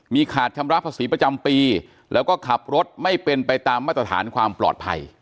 มีขาดชำระภาษีประจำปีแล้วก็ขับรถไม่เป็นไปตามมาตรฐานความปลอดภัย